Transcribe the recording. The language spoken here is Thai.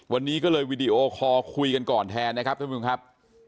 วันนี้ก็เลยวีดีโอคอลคุยกันก่อนแทนนะครับท่านผู้ชมครับ